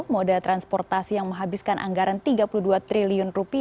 moda transportasi yang menghabiskan anggaran rp tiga puluh dua triliun